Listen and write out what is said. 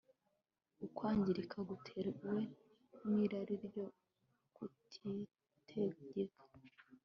ukwangirika gutewe n'irari ryo kutitegeka